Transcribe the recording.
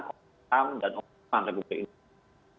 kom dan ombudsman republik indonesia